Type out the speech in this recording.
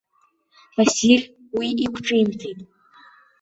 Василь уи иқәҿимҭит.